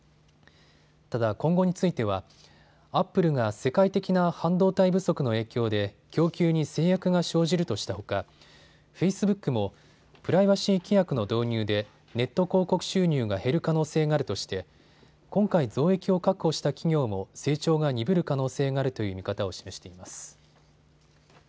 ただ今後についてはアップルが世界的な半導体不足の影響で供給に制約が生じるとしたほかフェイスブックもプライバシー規約の導入でネット広告収入が減る可能性があるとして今回、増益を確保した企業も成長が鈍る可能性があるという見方を示しています。